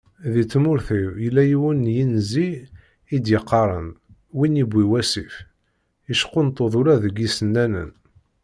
Deg tmurt-iw, yella yiwen n yinzi i d-yeqqaren, win yewwi wasif, yeckunṭud ula deg yisennanen.